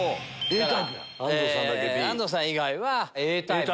安藤さん以外Ａタイプ。